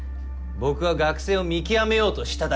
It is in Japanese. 僕は学生を見極めようとしただけで。